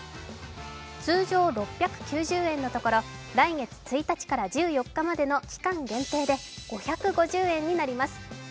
通常６９０円のところ、来月１日から１４日までの期間限定で５５０円になります。